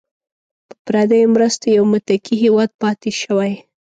په پردیو مرستو یو متکي هیواد پاتې شوی.